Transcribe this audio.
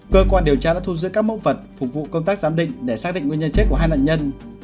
cơ quan điều tra đã thu giữ các mẫu vật phục vụ công tác giám định để xác định nguyên nhân chết của hai nạn nhân